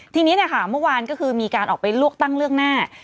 โต๊ะพี่นะค่ะเมื่อวานก็คือมีการออกไปลวกตั้งเรื่องหน้า